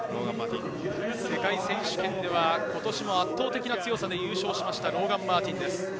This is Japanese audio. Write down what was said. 世界選手権では圧倒的な強さで優勝しました、ローガン・マーティンです。